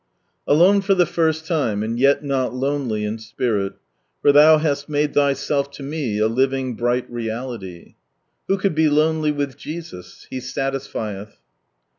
— Alone for the first time, and yet not lonely in spirit, for " Thou hast made Thyself to me a living, bright Reality." Who could be lonely with Jesus ? He satisfieth